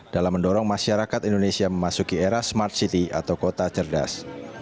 dalam mendorong masyarakat indonesia memasuki era smart city atau kota cerdas